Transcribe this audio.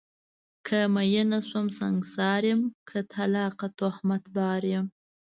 که میینه شوم سنګسار یم، که طلاقه تهمت بار یم